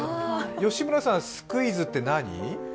吉村さん、スクイズって何？